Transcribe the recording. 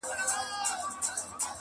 شمعي دي بلیږي او ګډیږي دي ړانده ورته-